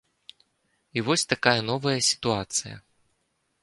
І вось такая новая сітуацыя.